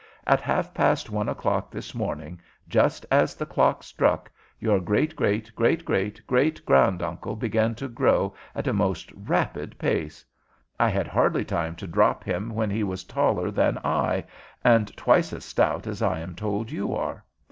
At half past one o'clock this morning, just as the clock struck, your great great great great great granduncle began to grow at a most rapid pace. I had hardly time to drop him when he was taller than I, and twice as stout as I am told you are.